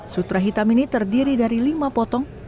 sutra hitam ini terdiri dari lima potong